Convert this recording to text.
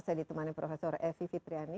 saya ditemani prof evi fitriani